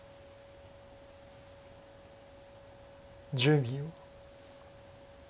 １０秒。